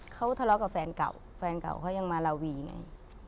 เขาทะเลาะกับแฟนเก่าแฟนเก่าเขายังมาลาวีไง